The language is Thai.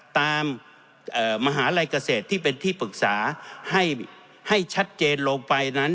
ตามมหาลัยเกษตรที่เป็นที่ปรึกษาให้ชัดเจนลงไปนั้น